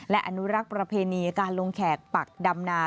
และอนุรักษ์ประเพณีการลงแขกปักดำนา